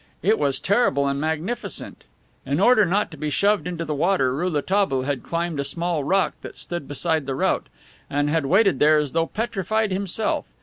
It was terrible and magnificent. In order not to be shoved into the water, Rouletabille had climbed a small rock that stood beside the route, and had waited there as though petrified himself.